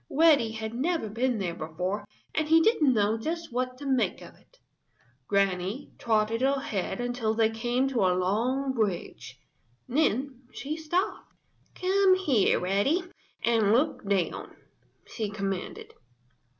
Reddy had never been there before and he didn't know just what to make of it. Granny trotted ahead until they came to a long bridge. Then she stopped. "Come here, Reddy, and look down," she commanded.